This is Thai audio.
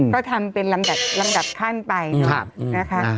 ก็ทำเป็นลำดับขั้นไปเนอะนะคะ